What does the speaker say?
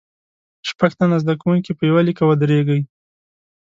شپږ تنه زده کوونکي په یوه لیکه ودریږئ.